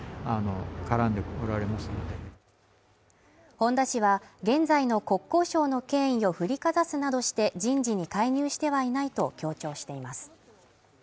本田氏は現在の国交省の権威を振りかざすなどして人事に介入してはいないと強調しています